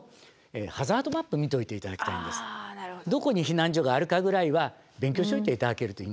どこに避難所があるかぐらいは勉強しておいて頂けるといいんですよね。